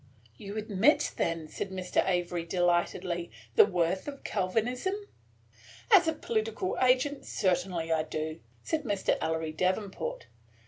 "You admit, then," said Mr. Avery, delightedly, "the worth of Calvinism." "As a political agent, certainly I do," said Ellery Davenport.